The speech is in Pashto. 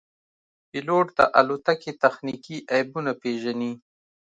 پیلوټ د الوتکې تخنیکي عیبونه پېژني.